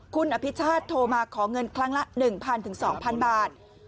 คุณอภิชาติโทรมาขอเงินครั้งละ๑๐๐๒๐๐บาท